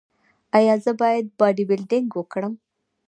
ایا زه باید باډي بلډینګ وکړم؟